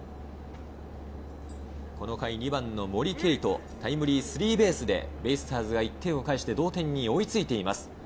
この回２番の森敬斗、タイムリースリーベースでベイスターズが１点を返して同点に追いついています。